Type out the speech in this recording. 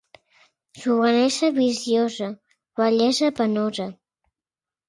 Jovenesa viciosa, vellesa penosa.